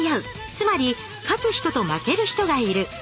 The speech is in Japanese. つまり勝つ人と負ける人がいる。